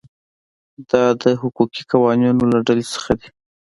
دا د حقوقي قوانینو له ډلې څخه دي.